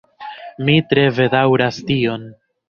Mi tre bedaŭras tion.